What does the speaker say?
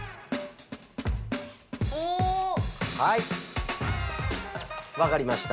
はいわかりました。